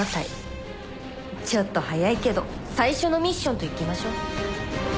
ちょっと早いけど最初のミッションといきましょう。